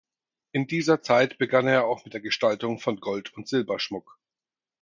In dieser Zeit begann er auch mit der Gestaltung von Gold- und Silberschmuck.